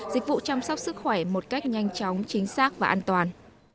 dịch vụ chăm sóc sức khỏe một cách nhanh chóng chính xác và an toàn